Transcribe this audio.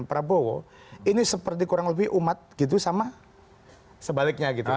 prabowo ini seperti kurang lebih umat gitu sama sebaliknya gitu